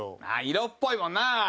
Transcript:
色っぽいもんなあ。